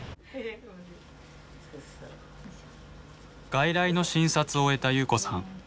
外来の診察を終えた夕子さん。